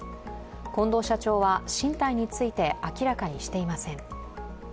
近藤社長は進退について明らかにしていません。